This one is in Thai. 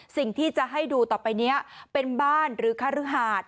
สิ่งที่จะให้ดูต่อไปนี้เป็นบ้านหรือคารือหาด